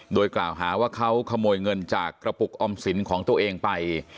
โดยกล่าวหาว่าเขาขโมยเงินจากกระปุกออมสินของตัวเองไป